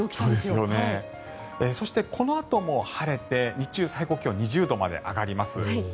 そしてこのあとも晴れて日中は最高気温が２０度まで上がります。